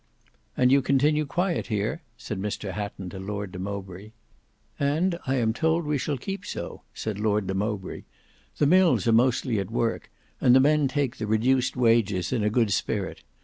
"And you continue quiet here?" said Mr Hatton to Lord de Mowbray. "And I am told we shall keep so," said Lord de Mowbray. "The mills are mostly at work, and the men take the reduced wages in a good spirit.